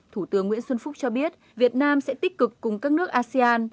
thủ tướng nguyễn xuân phúc cho biết việt nam sẽ tích cực cùng các nước asean